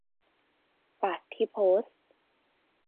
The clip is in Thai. ป่ะที่โพสต์ ?